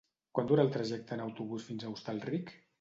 Quant dura el trajecte en autobús fins a Hostalric?